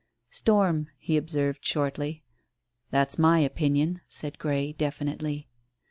"Storm," he observed shortly. "That's my opinion," said Grey definitely.